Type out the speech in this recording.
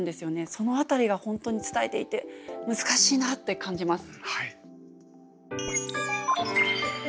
その辺りが本当に伝えていて難しいなって感じます。